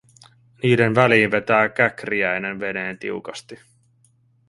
Niiden väliin vetää Käkriäinen veneen tiukasti.